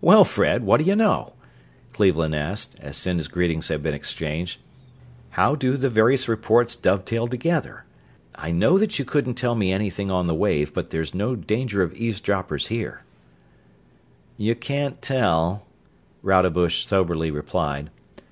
"Well, Fred, what do you know?" Cleveland asked, as soon as greetings had been exchanged. "How do the various reports dovetail together? I know that you couldn't tell me anything on the wave, but there's no danger of eavesdroppers here." "You can't tell," Rodebush soberly replied.